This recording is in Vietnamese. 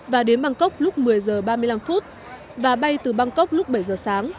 và đến bangkok lúc một mươi giờ ba mươi năm và bay từ bangkok lúc bảy giờ sáng